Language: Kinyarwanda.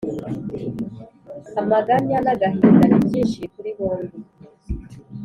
amaganya nagahinda nibyinshi kuri bombi